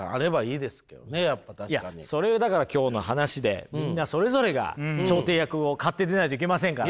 いやそれをだから今日の話でみんなそれぞれが調停役を買って出ないといけませんから。